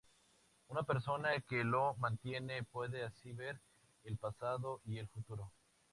Una persona que lo mantiene puede así ver el pasado y el futuro.